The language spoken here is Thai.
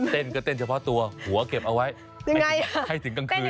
เต้นก็เต้นเฉพาะตัวหัวเก็บเอาไว้ให้ถึงกลางคืน